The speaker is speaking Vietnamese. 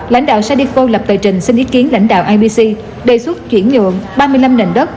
lãnh đạo sadifo lập tờ trình xin ý kiến lãnh đạo ibc đề xuất chuyển nhượng ba mươi năm nền đất